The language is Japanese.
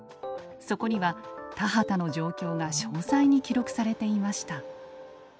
そこには田畑の状況が詳細に記録されていました。